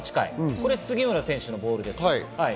これ、杉村選手のボールです。